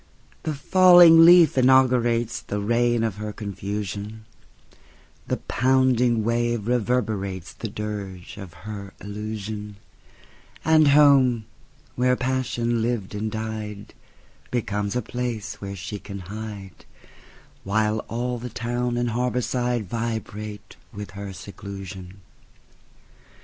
The falling leaf inauguratesThe reign of her confusion; The pounding wave reverberatesThe dirge of her illusion; And home, where passion lived and died, Becomes a place where she can hide, While all the town and harbor sideVibrate with her seclusion.